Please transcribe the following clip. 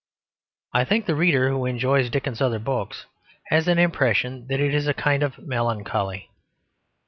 I think the reader who enjoys Dickens's other books has an impression that it is a kind of melancholy.